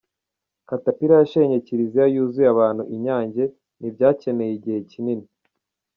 Caterpillar yashenye Kiliziya yuzuye abantu i Nyange, ntibyakeneye igihe kinini cyane.